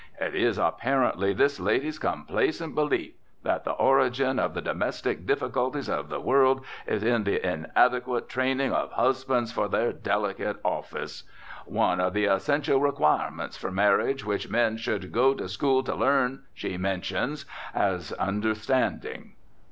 It is, apparently, this lady's complacent belief that the origin of the domestic difficulties of the world is in the inadequate training of husbands for their delicate office. One of 'the essential requirements' for marriage which 'men should go to school to learn' she mentions as 'understanding.'